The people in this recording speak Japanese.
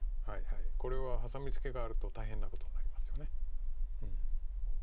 これはハサミツケがあると大変なことになりますよね。